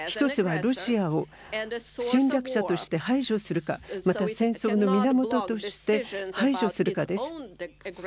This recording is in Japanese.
１つは、ロシアを侵略者として排除するかまた、戦争の源として排除するかです。